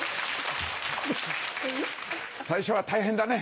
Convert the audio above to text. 最初は大変だね。